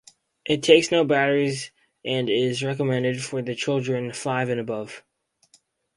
It takes no batteries and is recommended for children five and above.